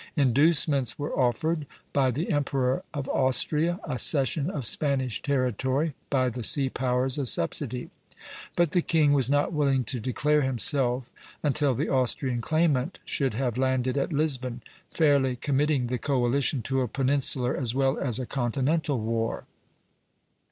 Inducements were offered, by the Emperor of Austria a cession of Spanish territory, by the sea powers a subsidy; but the king was not willing to declare himself until the Austrian claimant should have landed at Lisbon, fairly committing the coalition to a peninsular as well as a continental war.